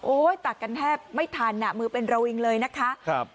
ตักกันแทบไม่ทันอ่ะมือเป็นระวิงเลยนะคะครับ